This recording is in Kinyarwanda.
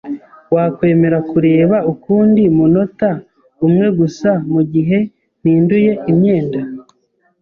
Wakwemera kureba ukundi munota umwe gusa mugihe mpinduye imyenda?